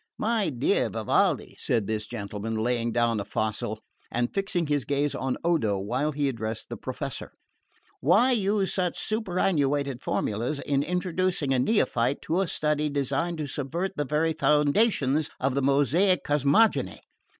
"My dear Vivaldi," said this gentleman, laying down a fossil, and fixing his gaze on Odo while he addressed the Professor, "why use such superannuated formulas in introducing a neophyte to a study designed to subvert the very foundations of the Mosaic cosmogony?